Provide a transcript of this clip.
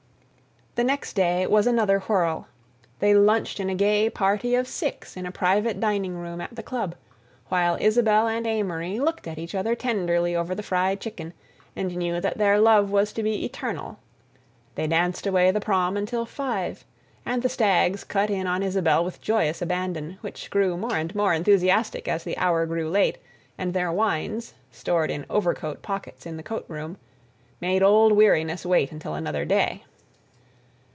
The next day was another whirl. They lunched in a gay party of six in a private dining room at the club, while Isabelle and Amory looked at each other tenderly over the fried chicken and knew that their love was to be eternal. They danced away the prom until five, and the stags cut in on Isabelle with joyous abandon, which grew more and more enthusiastic as the hour grew late, and their wines, stored in overcoat pockets in the coat room, made old weariness wait until another day.